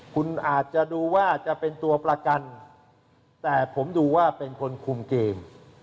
คุณอาจจะดูว่าจะเป็นตัวประกันแต่ผมดูว่าเป็นคนคุมเกม